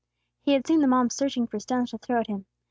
He had seen the mob searching for stones to throw at Him.